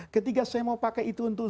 ketika saya mau pakai itu untuk